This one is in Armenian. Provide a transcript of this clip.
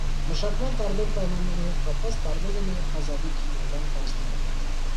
Մշակման տարբեր պայմանների հետ կապված տարբեր է նաև հազարի քիմիական կազմը։